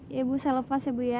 ya ibu saya lepas ya bu ya